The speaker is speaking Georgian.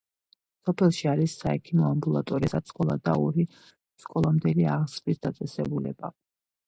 სოფელში არის საექიმო ამბულატორია, საჯარო სკოლა და ორი სკოლამდელი აღზრდის დაწესებულება.